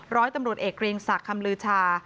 ร้อยตำรวจเอกเรียงศักดิ์คำลือชา